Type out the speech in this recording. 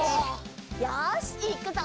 よしいくぞ！